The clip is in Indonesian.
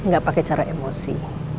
enggak pakai cara emosi